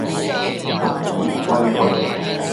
不如歸去